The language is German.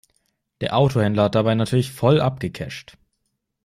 Der Autohändler hat dabei natürlich voll abgecasht.